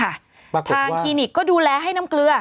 ปรากฏว่าทางคลินิกก็ดูแลให้น้ำเกลือ